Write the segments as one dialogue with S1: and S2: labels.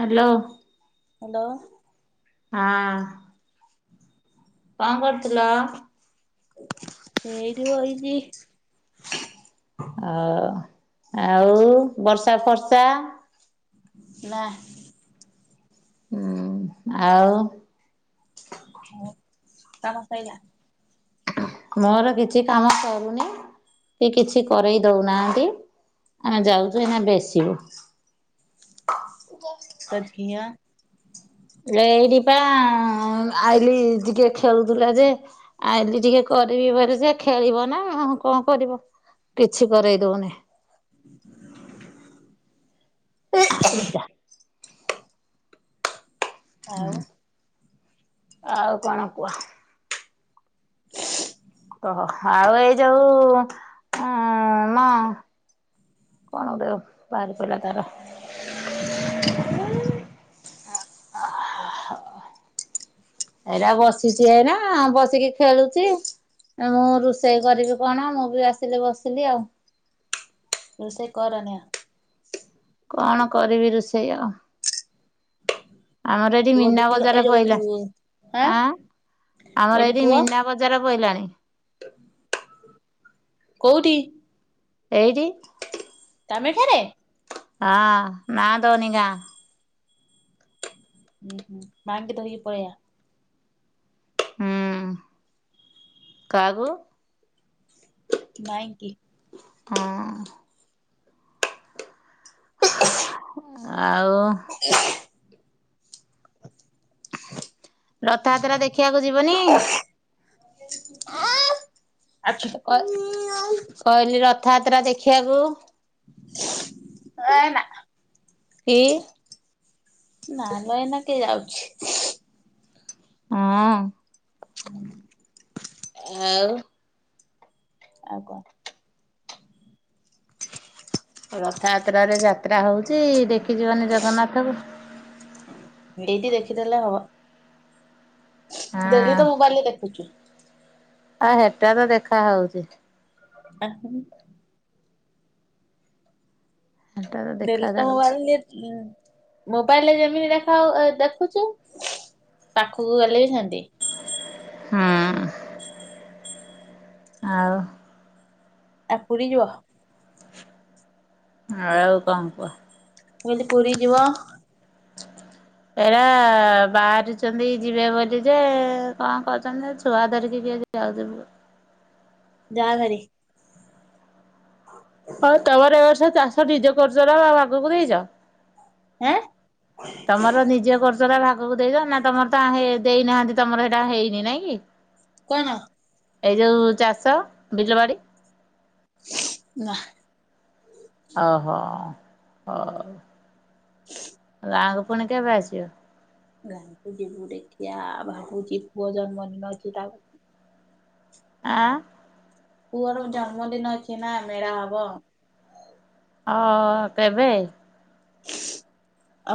S1: Hello.
S2: Hello.
S1: ହଁ। କଣ କରୁଥିଲ?
S2: ଏଇଟି ବଇଚି।
S1: ଅ, ଆଉ ବର୍ଷା ଫରସା।
S2: ନା
S1: ହୁଁ, ଆଉ?
S2: ହଉ କାମ ସଇଲା।
S1: ମୋର କିଛି କାମ ସରୁନି। କିଛିବି କରେଇ ଦେଉନାହାନ୍ତି ଆମେ ଯାଉଚୁ ବଶିବୁ।
S2: ତା ଝିଆଁ
S1: ହେ ଏଇଠିପ ଆଇଲିି ଟିକେ ଖେଳୁଥିଲା ଯେ ଆଜି ଟିକେ କରିବି ବୋଲି ସେ ଖେଳିବ ନା କଣ କରିବ? କିଛି କରେଇ ଦଉନି। ଏଇଟା
S2: ଆଉ
S1: ହୁଁ, ଆଉ କଣ କୁହ? ଓହୋ, ଆଉ ଏଇ ଯୋଉ ଉ ନ କଣ ଗୋଟେ ବାହାରି ପଇଲା ତାର ହଁ ଏଇଟା ବସିଚି ଏଇନା ବସିକି ଖେଳୁଛି। ମୁଁ ରୋଷେଇ କରିବି କଣ ମୁଁ ବି ଆସିଲି ବସିଲି ଆଉ।
S2: ରୋଷେଇ କରନି ଆଉ।
S1: କଣ କରିବି ରୋଷେଇ ଆଉ? ଆମର ଏଠି
S2: ପୁଅ
S1: ମୀନା
S2: ଡ୍ୟୁଟି ଏ
S1: ବଜାର ପଇଲା।
S2: ଯୋଉ
S1: ଆଁ? ଆମର
S2: କହିଲି
S1: ଏଇଠି
S2: ପୁଅ
S1: ମୀନା ବଜାର ପଇଲାଣି।
S2: କୋଉଠି?
S1: ଏଇଠି।
S2: ତମେ ଠାରେ।
S1: ହଁ ନାଁ ଦୋନିକା [unintelligible]
S2: ଉଁ, ହୁଁ। ମାଙ୍କୁ ଧରିକି ପଳେଇଆ।
S1: ହୁଁ। କାହାକୁ?
S2: ନାଇଁ କି?
S1: ହଁ। ଆଉ?
S2: ଆ [inaudible]
S1: ରଥଯାତ୍ରା ଦେଖିବାକୁ ଯିବୁନି?
S2: ଆଛୁ
S1: କହିଲି ରଥଯାତ୍ରା ଦେଖିବାକୁ
S2: [unintelligible]
S1: କି?
S2: ନା ନା ଏଇନା କିଏ ଯାଉଛି।
S1: ହଁ।
S2: ହଁ [inaudible]
S1: ଆଉ?
S2: ଆଉ କ
S1: ରଥଯାତ୍ରା ରେ ଯାତ୍ରା ହଉଛି ଦେଖିଯିବନି ଜଗନ୍ନାଥ କୁ?
S2: ଏଇଠି ଦେଖିଦେଲେ ହବ। ଡ଼େଲି
S1: ହଁ।
S2: ତ ମୋବାଇଲ ରେ ଦେଖୁଛୁ।
S1: ଆ ହେଟା ତ ଦେଖା ହଉଛି।
S2: [unintelligible]
S1: ହେଟା ତ ଦେଖା
S2: ଡେଲି ତ
S1: ଯାଉଛି
S2: ମୋବାଇଲ ରେ ଉଁ ମୋବାଇଲରେ ଯେମିତି ଦେଖା ଦେଖୁଛୁ ପାଖକୁ ଗଲେ ବି ସେମତି।
S1: ହୁଁ। ଆଉ?
S2: ଆ ପୁରୀ ଯିବ?
S1: ଆଉ କଁ କୁହ?
S2: ମୁଁ କହିଲି ପୁରୀ ଯିବ?
S1: ହ [inaudible] ହେରା ବାହାରୁଛନ୍ତି ଯିବେ ବୋଲି ଯେ କଁ କରୁଛନ୍ତି ଛୁଆ ଧରିକି କିିଏ ଯିବ। [unintelligible]
S2: ଯା ଭାରି। ହଁ
S1: ଆଉ ତମର ଏ ବର୍ଷ ଚାଷ୍ ନିଜେ କରୁଚ ନା ଆଉ [unintelligible] ଦେଇଛ?
S2: ଏଁ?
S1: ତମର ନିଜେ କରୁଚ ନା ଭାଗକୁ ଦେଇଛ ନା ତମର ତ ଦେଇନାହାନ୍ତି ତମର ହେଇଟା ହେଇନି ନାଇଁ କି? [inaudible]
S2: କନ?
S1: ଏଇ ଯୋଉ ଚାଷ ବିଲ ବାଡ଼ି।
S2: ନା।
S1: ଅହୋ ହଉ। ଗାଁ କୁ ପୁଣି କେବେ ଆସିବ?
S2: ଗାଁ କୁ ଯିବୁ ଦେଖିଆ ଭାବୁଚି ପୁଅ ଜନ୍ମଦିନ ଅଛି ତାକୁ
S1: ଆ?
S2: ପୁଅର ଜନ୍ମଦିନ ଅଛି ନା ମେଳା ହବ।
S1: ଅ କେବେ?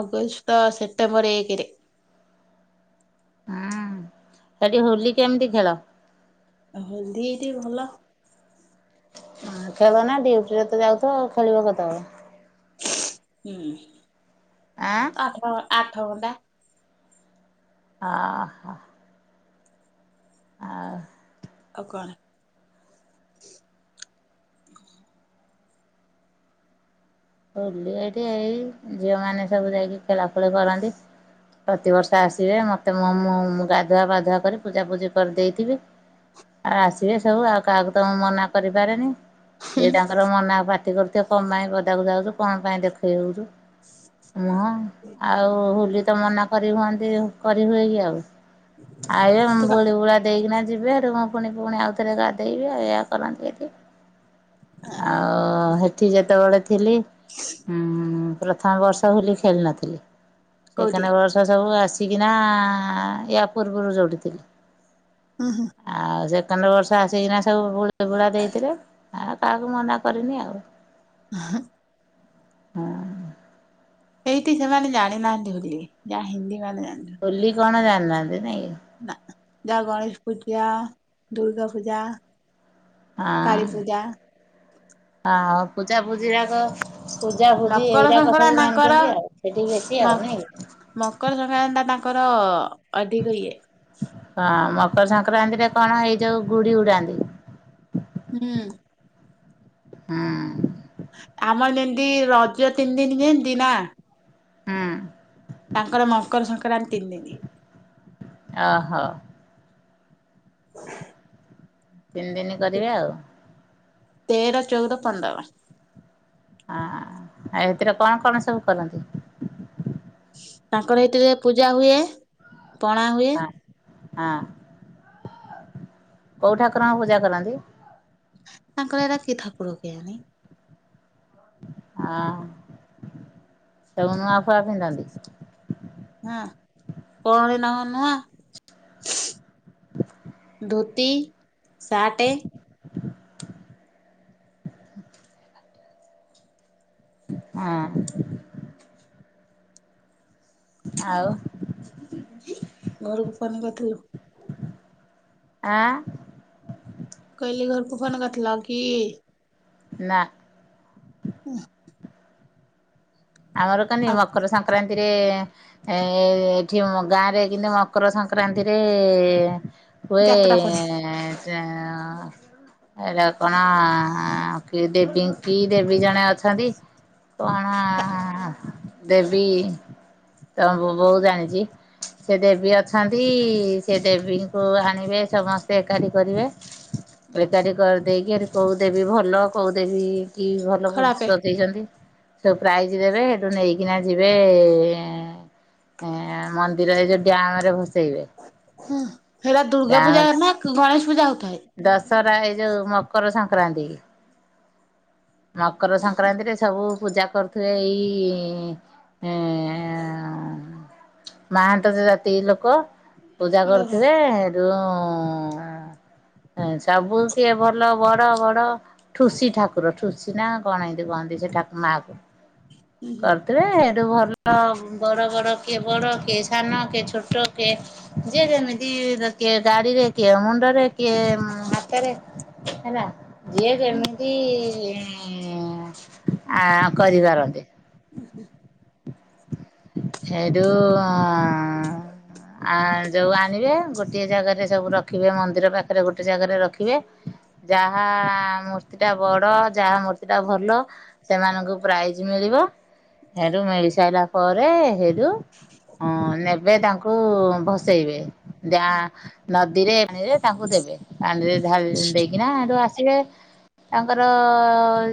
S2: ଅଗଷ୍ଟ ସେପ୍ଟେମ୍ବର ଏକେରେ।
S1: ହୁଁ ସେଠି ହୋଲି କେମିତି ଖେଳ?
S2: ହୋଲି ଏଇଠି ଭଲ।
S1: ହଁ ଖେଳନା ଡ୍ୟୁଟିରେ ତ ଯାଉଥିବ ଆଉ ଖେଳିବ କେତେବେଳେ।
S2: ହୁଁ।
S1: ଆଁ।
S2: ଆଠ ଆଠ ଘଣ୍ଟା।
S1: ଆ ହା। ଆ।
S2: ଆଉ କଣ?
S1: ହୋଲି ଏଠି ଏଇ ଝିଅ ମାନେ ସବୁ ଯାଇକି ଖେଳାଫେଳି କରନ୍ତି। ପ୍ରତିବର୍ଷ ଆସିବେ ମତେ ମ ମୁଁ ଗାଧୁଆ ପାଧୁଆ କରିକି ପୂଜାପୂଜି କରିଦେଇଥିବି। ଆସିବେ ସବୁ ଆଉ କାହାକୁ ତମ ମୁଁ ମନା କରିପାରେନି। ଏଇଟା ୟାଙ୍କର ମନା ପାଟି କରୁଥିବେ କଣ ପାଇଁ ପଦାକୁ ଯାଉଛୁ କଣ ପାଇଁ ଦେଖେଇ ହଉଛୁ। ମୁହଁ ଆଉ ହୋଲି ତ ମନା କରି ହୁଅନ୍ତି କରି ହୁଏ କି ଆଉ। ଆଉ
S2: ତୁ କା
S1: ବୁଳି ବୁଳା ଦେଇକିନା ଯିବେ ହେଠୁ କଣ ଫୁଣି ପୁଣି ଆଉଥରେ ଗାଧେଇବି ଏଇୟା କରନ୍ତି ଏଠି। ଆଉ ହେଠି ଯେତେବେଳେ ଥିଲି ହୁଁ ପ୍ର ଥମ ବର୍ଷ ହୋଲି ଖେଳି ନଥିଲି
S2: କୋଉଠି?
S1: ସେକେଣ୍ଡ ବର୍ଷ ସବୁ ଆସିକିନା ୟା ପୂର୍ବରୁ ଯୋଉଠି ଥିଲି।
S2: ହୁଁ ହୁଁ।
S1: ଆଉ ସେକେଣ୍ଡ ବର୍ଷ ଆସିକିନା ସବୁ ବୁଳି ବୁଳା ଦେଇଥିଲେ। ଆଉ କାହାକୁ ମନା କରିନି ଆଉ।
S2: ହ।
S1: ହଁ।
S2: ଏଇଠି ସେମାନେ ଜାଣିନାହାନ୍ତି ହୋଲି ଯାହା ହିନ୍ଦୀ ମାନେ ଜାଣିନ୍ତି।
S1: ହୋଲି କଣ ଜାଣିନାହାନ୍ତି ନାଇଁ?
S2: ନା ଯାହା ଗଣେଶ ପୂଜା, ଦୁର୍ଗା ପୂଜା।
S1: ହଁ
S2: କାଳୀ ପୂଜା
S1: ହ ହଉ ପୂଜା ପୂଜି ରାଗ। ପୂଜା ଫୂଜି
S2: ମକର
S1: ଏଇରାକ
S2: ସଂକ୍ରାନ୍ତି
S1: ସବୁ
S2: ତାଙ୍କର
S1: ଜାଣିଛନ୍ତି ଆଉ ସେଠି ବେଶୀ ଆଉ
S2: ମକ
S1: ନାଇଁକି।
S2: ମକର ସଂକ୍ରାନ୍ତି ତା ତାଙ୍କର ଅଧିକ ଇଏ।
S1: ହଁ ମକର ସଂକ୍ରାନ୍ତି ରେ କଣ ହେଇଯୋଉ ଗୁଡି ଉଡାନ୍ତି।
S2: ହୁଁ।
S1: ହୁଁ।
S2: ଆମର ଯେମିତି ରଜ ତିନି ଦିନି ଯେମିତି ନା।
S1: ହୁଁ।
S2: ତାଙ୍କର ମକର ସଂକ୍ରାନ୍ତି ତିନି ଦିନି।
S1: ଓହୋ।
S2: ହ
S1: ତିନି ଦିନି କରିବେ ଆଉ।
S2: ତେର, ଚଉଦ, ପନ୍ଦର।
S1: ହଁ ଆଉ ଏଥିରେ କଣ କଣ ସବୁ କରନ୍ତି?
S2: ତାଙ୍କର ହେଇଥିରେ ପୂଜା ହୁଏ, ପଣା ହୁଏ।
S1: ହଁ ହଁ କୋଉ ଠାକୁରଙ୍କୁ ପୂଜା କରନ୍ତି।
S2: ତାଙ୍କର ଏଇରା କି ଥାକୁର କି ଆଣି।
S1: ଆ ସବୁ ନୂଆ ଫୁଆ ପିନ୍ଧନ୍ତି?
S2: ହଁ [unintelligible] ଧୋତି ସାଟେ।
S1: ହଁ। ଆଉ
S2: ଘରକୁ ପୋନ୍ କରଥିଲୁ?
S1: ଆଁ
S2: କଇଲି ଘରକୁୁ ଫୋନ୍ କରିଥିଲ କି?
S1: ନା।
S2: ଉଁ।
S1: ଆମର କାନି
S2: ଆଉ
S1: ମକର ସଂକ୍ରାନ୍ତିରେ ଏ ଏ ଏଠି ଅଁ ଗାଁରେ କି [unintelligible] ମକର ସଂକ୍ରାନ୍ତିରେ ହୁଏ
S2: ଯାତ୍ରା ପରେ
S1: ଏଁ-ଏଁ ସେ ଅଁ ଅଇଲା କଣ କି ଦେବୀ କି ଦେବୀ ଜଣେ ଅଛନ୍ତି ପଣା ହଁ ଦେବୀ ତମ ବୋ ବୋଉ ଜାଣିଚି। ସେ ଦେବୀ ଅଛନ୍ତି ସେ ଦେବୀଙ୍କୁ ଆଣିବେ ସମସ୍ତେ ଏକାଠି କରିବେ। ଏକାଠି କରିଦେଇକି ଏଠି କୋଉ ଦେବୀ ଭଲ କୋଉ ଦେବୀ କି ଭଲ ବୁ
S2: ଖରାପେ
S1: ସଜେଇଛନ୍ତି ସବୁ ପ୍ରାଇ ଜି ଦେବେ ହେଠୁ ନେଇକିନା ଯିବେ ଏ ଏଁ-ଏଁ ଏଁ ମନ୍ଦିର ଏଇ ଯୋଉ ଡ୍ୟାମ ରେ ଭସେଇବେ।
S2: ହୁଁ ହେରା ଦୁର୍ଗା
S1: ଡ୍ୟାମ
S2: ପୂଜା ନା ଗଣେଶ ପୂଜା ହଉଥାଏ?
S1: ଦଶହରା ଏଇ ଯୋଉ ମକର ସଂକ୍ରାନ୍ତି। ମକର ସଂକ୍ରାନ୍ତିରେ ସ୍ ସବୁ ପୂଜା କରୁଥିବେ ଏଇ ଇଁ-ଇଁ ଏଁ-ଏଁ [unintelligible] ମହାନ୍ତ ସେ ଜାତି ଲୋକ ପୂଜା
S2: ଓହୋ
S1: କରୁଥିବେ। ଯୋଉଁ ଉଁ-ଉଁ ହୁଁ ସବୁ ସିଏ ଭଲ ବଡ ବଡ ଠୁସି ଠାକୁର ଠୁସି ନା କଣ ଏନ୍ତି କୁହନ୍ତି ସେ ଠାକ୍ ମା କୁ।
S2: ହୁଁ ହୁଁ।
S1: କରିଥିବେ ହେଇଠୁ ଭଲ ବଡ଼ ବଡ଼ କିଏ ବଡ଼ କିଏ ସାନ କିଏ ଛୋଟ କିଏ ଯେ ଯେମିତି ଦେ କିଏ ଗାଡିରେ କିଏ ମୁଣ୍ଡରେ କିଏ ହାତରେ ହେଲା। ଯିଏ ଯେମିତି ଇଁ-ଇଁ-ଇଁ ଆ କରିପାରନ୍ତି।
S2: [unintelligible]
S1: ହେଇଠୁ ଉଁ [unintelligible] ଆ ଯୋଉ ଆଣିବେ ଗୋଟିଏ ଜାଗାରେ ସବୁ ରଖିବେ ମନ୍ଦିର ପାଖରେ ଗୋଟେ ଜାଗାରେ ରଖିବେ। ଯାହା ମୂର୍ତ୍ତି ଟା ବଡ ଯାହା ମୂର୍ତ୍ତି ଟା ଭଲ ସେମାନଙ୍କୁ ପ୍ରାଇଜି ମିଳିବ ହେଠୁ ମିଳି ସାଇଲା ପରେ ହେଠୁ ଅଁ ନେବେ ତାଙ୍କୁ ଭସେଇବେ। ଯା ନଦୀରେ ପାଣିରେ ତାଙ୍କୁ ଦେବେ ପାଣିରେ ଢ଼ାଳି ଦେଇକିନା ହେଠୁ ଆସିବେ। ତାଙ୍କର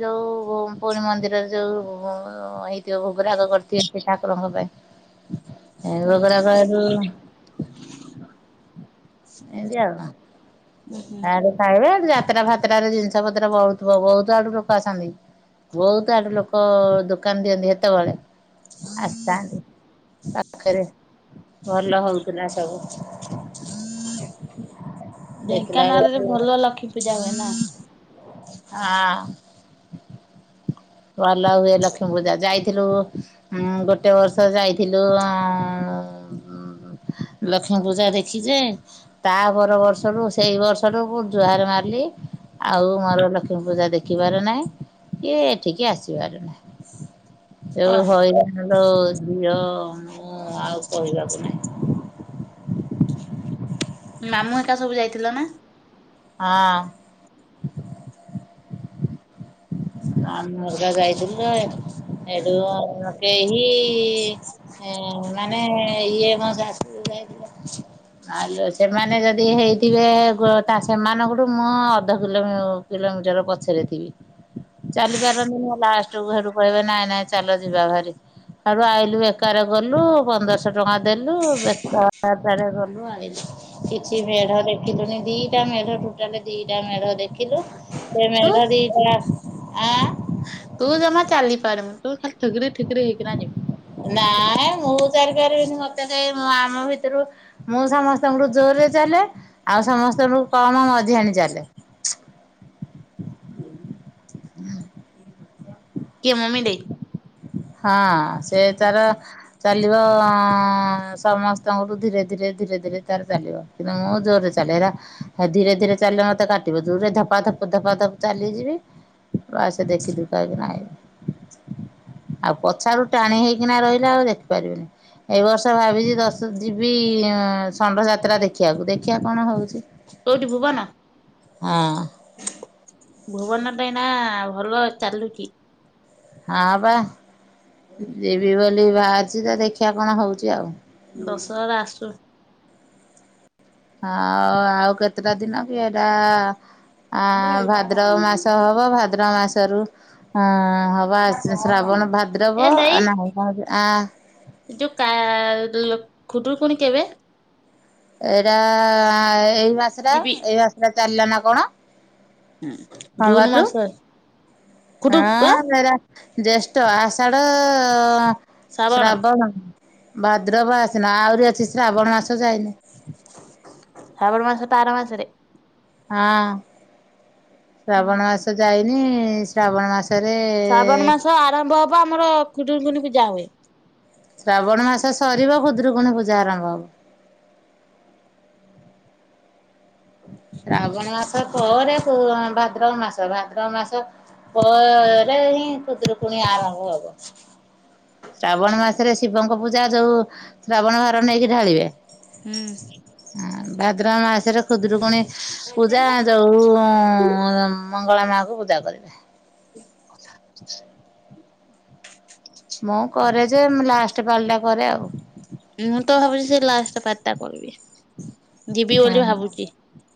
S1: ଯୋଉ [unintelligible] ମନ୍ଦିରରେ ଯୋଉ ହେଇ କିଏ ଭୋଗରାଗ କରିଥିବେ ସେ ଠାକୁରଙ୍କ ପାଇଁ। ଏ
S2: ହୁଁ
S1: ଭୋଗ ରାଗ ହେଠୁ ଏନ୍ତି ଆଉ।
S2: ଉଁ ହୁଁ।
S1: [unintelligible] ଖାଇବେ ଯାତ୍ରା ଫାତ୍ର ରେ ଜିନିଷ ପତ୍ର ବହୁତ୍ [unintelligible] ବହୁତ୍ ଆଡୁ ଲୋକ ଆସନ୍ତି। ବହୁତ୍ ଆଡ ଲୋକ ଦୋକାନ ଦିଅନ୍ତି ହେତବେଳେ। ଆସିଥାନ୍ତି ପାଖରେ ଭଲ ହଉଥିଲା ସବୁ। ଦେଖିଲା
S2: ଢେଙ୍କାନାଳରେ
S1: ବେଳକୁ
S2: ଭଲ ଲକ୍ଷ୍ମୀ ପୂଜା ହୁଏ ନା?
S1: ହଁ ଭଲ ହୁଏ ଲକ୍ଷ୍ମୀ ପୂଜା ଯାଇଥିଲୁ। ହୁଁ ଗୋଟେ ବର୍ଷ ଯାଇଥିଲୁ ହୁଁ ଲକ୍ଷ୍ମୀ ପୂଜା ଦେଖିଛି ଯେ ତା ପର ବର୍ଷରୁ ସେ ସେଇ ବର୍ଷଠୁ ମୁଁ ଜୁହାର ମାରିଲି ଆଉ ମୋର ଲକ୍ଷ୍ମୀ ପୂଜା ଦେଖିବାର ନାହିଁ। କି ଏଠିକି ଆସିବାର ନାହିଁ। ଯୋଉ
S2: କଣ ହେଲା?
S1: ହଇରାଣ ଲୋ ଝିଅ ମୁଁ ଆଉ କହିବାକୁ ନାହିଁ।
S2: ମାମୁଁ ହେକା ସବୁ ଯାଇଥିଲ ନାଁ?
S1: ହଁ। ମାମୁଁ ହେକା ଯାଇଥିଲେ ସେଉଠୁ କେହି ଏଁ ମାନେ ଇଏ ମୋ ଶାଶୁ ଯାଇଥିଲେ। ଆଲୋ ସେମାନେ ଯେତିକି ହେଇଥିବେ ଗୋଟା ସେମାନଙ୍କ ଠୁ ମୁଁ ଅଧ କିଲୋ ମୁଁ କିଲୋମିଟର ପଛରେ ଥିବି। ଚାଲି ପାରନ୍ତି ନି ଲାଷ୍ଟ୍ କୁ ସେଉଠୁ କହିବେ ନାଇଁ ନାଇଁ ଚାଲ ଯିବା ଭାରି। ଘରୁ ଆଇଲୁ ବେକାର ଗଲୁ ପନ୍ଦର ଶହ ଟଙ୍କା ଦେଲୁ ବେକାରଟାରେ ଗଲୁ ଆଇଲୁ। କିଛି ମେଢ ଦେଖିଲୁନି ଦି ଟା ମେଢ ଟୋଟାଲ୍ ଦି ଟା ମେଢ ଦେଖିଲୁ ସେ
S2: ତୁ
S1: ମେଢ ଦି ଟା ଆ
S2: ତୁ ଜମା ଚାଲିପାରୁନୁ ତୁ ଖାଲି ଠୁକୁର ଠୁକୁର ହେଇକିନା ଯିବୁ।
S1: ନାଇଁ ମୁଁ ଚାଲି ପାରିବିନି ମତେ ସେଇ ମୁଁ ଆମ ଭିତରୁ ମୁଁ ସମସ୍ତଙ୍କ ଠୁ ଜୋରରେ ଚାଲେ ଆଉ ସମସ୍ତଙ୍କ ଠୁ କମ୍ ମଝିଆଣି ଚାଲେ। ହୁଁ।
S2: କିଏ ମମି ଦେଇ?
S1: ହଁ ସେ ତାର ଚାଲିବ ସମସ୍ତଙ୍କ ଠୁ ଧୀରେ ଧୀରେ ଧୀରେ ଧୀରେ ତାର ଚାଲିବ। କିନ୍ତୁ ମୁଁ ଜୋରରେ ଚାଲେ ହେଲା ଧୀରେ ଧୀରେ ଚାଲିଲେ ମତେ କାଟିବ ଜୋରେ ଧପା ଧପ ଧପା ଧପ ଚାଲିଯିବି ଆସି ବେଶୀ ଦୁଃଖ କିନା ଆଇବି। ଆଉ ପଛ ଆଡୁ ଟାଣି ହେଇ କିନା ରହିଲେ ଆଉ ଦେଖିପାରିବେନି। ଏ ବର୍ଷ ଭାବିଛି ଦଶ ଯିବି ଷଣ୍ଢ ଯାତ୍ରା ଦେଖିବାକୁ ଦେଖିବା କଣ ହଉଛି।
S2: କୋଉଠି ଭୁବନ?
S1: ହଁ।
S2: ଭୁବନଟା ଏଇନା ଭଲ ଚାଲୁଛି।
S1: ହଁ ବା ଯିବି ବୋଲି ବାହାରିଛି ତ ଦେଖିବା କଣ ହଉଛି ଆଉ।
S2: ଦଶହାର ଆସୁ।
S1: ହଉ ଆଉ କେତେଟା ଦିନ କି ଏଟା ଆ ଭାଦ୍ରବ ମାସ ହବ ଭାଦ୍ରବ ମାସରୁ ହଁ ହବ ଆଶି ଶ୍ରାବଣ ଭାଦ୍ରବ ନା ଏଇଟା ହଉଛି ଆ
S2: ଏ ଯୋଉା କା ଖୁଦୁରୁକୁଣୀ କେବେ?
S1: ଏଇଟା ଏଇ ମାସ ଟା
S2: ଯିବି
S1: ଏଇ ମାସ ଟା ଚାଲିଲା ନା କଣ?
S2: ହୁଁ।
S1: ହଁ ବା ତୁ
S2: ଖୁଦୁ ଆ
S1: ହଁ ସେଗୁରା ଜ୍ୟେଷ୍ଠ ଆଷାଢ ଶ୍ରାବଣ ଭାଦ୍ରବ ଆଶ୍ୱିନ ଆହୁରି ଅଛି ଶ୍ରାବଣ ମାସ ଯାଇନି।
S2: ଶ୍ରାବଣ ମାସ ତ ଆର ମାସରେ।
S1: ହଁ ଶ୍ରାବଣ ମାସ ଯାଇନି ଶ୍ରାବଣ ମାସରେ
S2: କୁହ ଆମର ଖୁଦୁରୁକୁୁନି ପୂଜା ହୁଏ।
S1: ଶ୍ରାବଣ ମାସ ସରିବ ଖୁଦୁରୁକୁଣୀ ପୂଜା ଆରମ୍ଭ ହବ। ଶ୍ରାବଣ ମାସ ପରେ କୋ ଭାଦ୍ରବ ମାସ ଭାଦ୍ରବ ମାସ ପରେ ହିଁ ଖୁଦୁରୁକୁଣୀ ଆରମ୍ଭ ହବ। ଶ୍ରାବଣ ମାସରେ ଶିବଙ୍କ ପୂଜା ଯୋଉ ଶ୍ରାବଣ ଭାର ନେଇକି ଢାଳିବେ।
S2: ହୁଁ
S1: ଭାଦ୍ରବ ମାସରେ ଖୁଦରୁକୁଣୀ ପୂଜା ଯୋଉ ମଙ୍ଗଳା ମାକୁ ପୂଜା କରିବେ।
S2: ହ [inaudible]
S1: [inaudible] ମୁଁ କରେ ଯେ ଲାଷ୍ଟ ପାଳିଟା କରେ ଆଉ।
S2: ମୁଁ ତ ଭାବୁଛି ସେ ଲାଷ୍ଟ ପାଲିଟା କରିବି ଯିବି
S1: ହଁ
S2: ବୋଲି
S1: ହଁ।
S2: ଭାବୁଛି।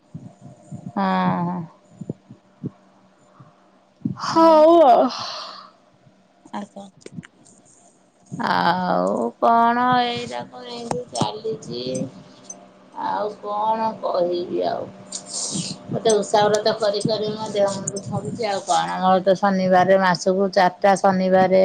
S1: ହଁ।
S2: ହୁଁ
S1: ହଉ ଆଉ।
S2: ଆଉ କ
S1: ଆଉ କଣ ଏଇରାକ ଏମିନ୍ତି ଚାଲିଛି। ଆଉ କଣ କହିବି ଆଉ। ମତେ ଓଷା ବ୍ରତ କରିିକରି ମୋ ଦେହ ହାତ ଥରୁଚ଼ି ଆଉ କଣ, ମୋର ତ ଶନିବାରେ ମାସକୁ ଚାର ଟା ଶନିବାରେ